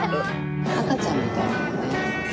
赤ちゃんみたいだよね。